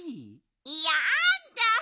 やだ。